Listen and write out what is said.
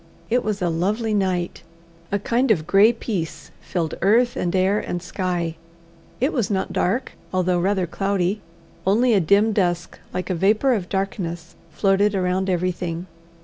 It was a lovely night. A kind of grey peace filled earth and air and sky. It was not dark, although rather cloudy; only a dim dusk, like a vapour of darkness, floated around everything.